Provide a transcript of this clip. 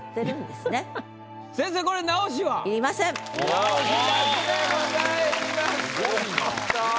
すごいな。